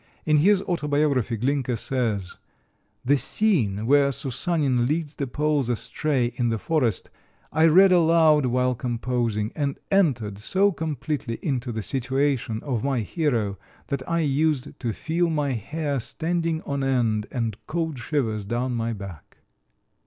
In his autobiography Glinka says: "The scene where Soussanin leads the Poles astray in the forest I read aloud while composing, and entered so completely into the situation of my hero that I used to feel my hair standing on end and cold shivers down my back."